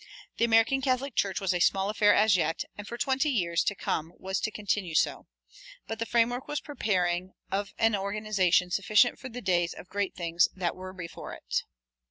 The American Catholic Church was a small affair as yet, and for twenty years to come was to continue so; but the framework was preparing of an organization sufficient for the days of great things that were before it.